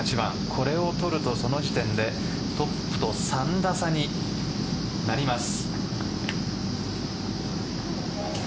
これを取るとその時点でトップと３打差になります。